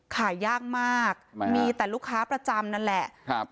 ขายยากมากมีแต่ลูกค้าประจำนั่นแหละครับ